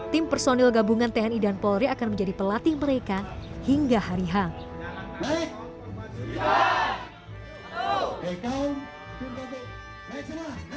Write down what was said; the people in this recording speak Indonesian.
tim personil gabungan tni dan polri akan menjadi pelatih mereka hingga hari hang